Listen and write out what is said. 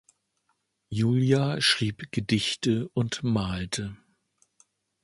Julia schrieb Gedichte und malte.